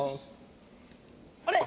あれ？